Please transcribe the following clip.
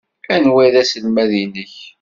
Anwa ay d aselmad-nnek?